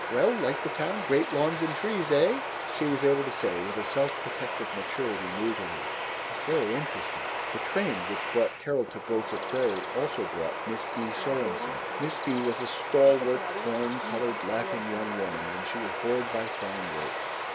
Well, like the town? Great lawns and trees, eh?" she was able to say, with a self protective maturity new to her, "It's very interesting." III The train which brought Carol to Gopher Prairie also brought Miss Bea Sorenson. Miss Bea was a stalwart, corn colored, laughing young woman, and she was bored by farm work.